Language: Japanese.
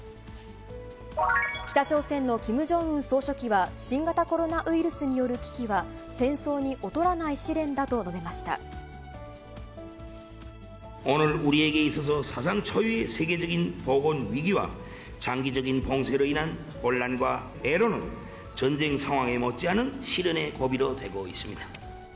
北朝鮮のキム・ジョンウン総書記は、新型コロナウイルスによる危機は戦争に劣らない試練だと述べました。